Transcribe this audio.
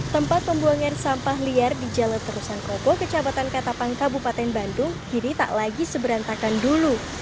tempat pembuangan sampah liar di jalur terusan koko kejabatan katapan kabupaten bandung kini tak lagi seberantakan dulu